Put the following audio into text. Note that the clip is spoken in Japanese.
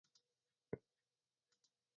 ねぇ、知ってる？